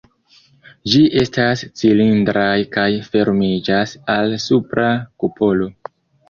Ĝi estas cilindraj kaj fermiĝas al supra kupolo.